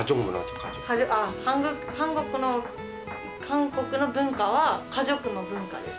韓国の文化は、家族の文化です。